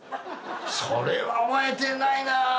それは覚えてないな。